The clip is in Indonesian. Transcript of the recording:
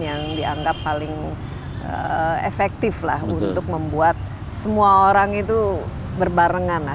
yang dianggap paling efektif lah untuk membuat semua orang itu berbarengan lah